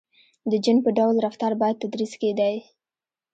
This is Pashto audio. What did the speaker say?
• د جن په ډول رفتار باید تدریس کېدای.